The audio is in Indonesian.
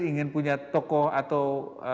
ingin punya tokoh atau